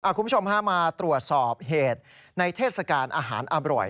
คุณผู้ชมฮะมาตรวจสอบเหตุในเทศกาลอาหารอร่อย